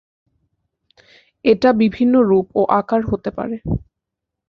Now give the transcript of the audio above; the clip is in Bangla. এটা বিভিন্ন রূপ ও আকার হতে পারে।